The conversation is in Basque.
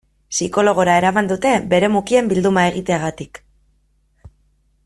Psikologora eraman dute bere mukien bilduma egiteagatik.